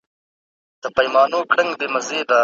انگلیسانو کابل ونیوه